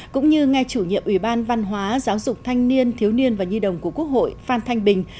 cũng như nghe chủ nhiệm ủy ban văn hóa giáo dục thanh niên thiếu niên và nhi đồng của quốc hội phan thanh bình